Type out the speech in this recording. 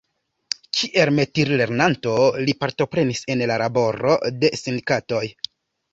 Kiel metilernanto li partoprenis en la laboro de sindikatoj.